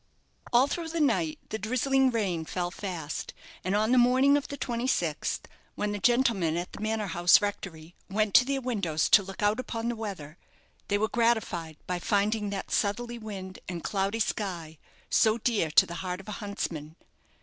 All through the night the drizzling rain fell fast, and on the morning of the 26th, when the gentlemen at the manor house rectory went to their windows to look out upon the weather, they were gratified by finding that southerly wind and cloudy sky so dear to the heart of a huntsman.